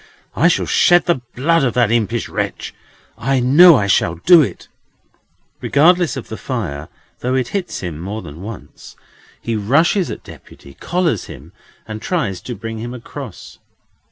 "I shall shed the blood of that impish wretch! I know I shall do it!" Regardless of the fire, though it hits him more than once, he rushes at Deputy, collars him, and tries to bring him across.